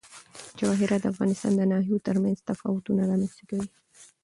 جواهرات د افغانستان د ناحیو ترمنځ تفاوتونه رامنځ ته کوي.